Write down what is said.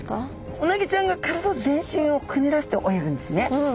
うなぎちゃんが体全身をくねらせて泳ぐんですね。